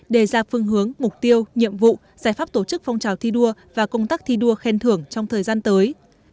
đề ra phương hướng mục tiêu nhiệm vụ giải pháp tổ chức phong trào thi đua và công tác thi đua khen thưởng trong thời gian tới